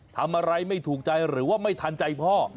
ทำอะไรไม่ถูกใจหรือว่าไม่ทันใจพ่อ